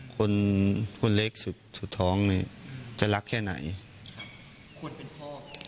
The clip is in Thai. คนคนเล็กสุดสุดท้องเนี่ยจะรักแค่ไหนคนเป็นพ่อ